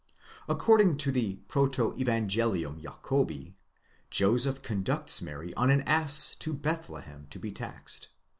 According to the Protevangelium Jacobi,! Joseph conducts Mary on an ass to Bethlehem to be taxed.